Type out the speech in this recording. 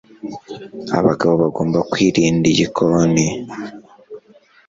Abagabo bagomba kwirinda igikoni.